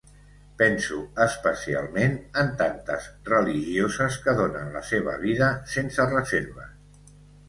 Penso especialment en tantes religioses que donen la seva vida sense reserves.